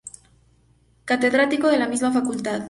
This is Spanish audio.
Catedrático de la misma Facultad.